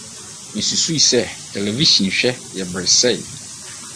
Misusuw sɛ Television hwɛ yɛ bere sɛe.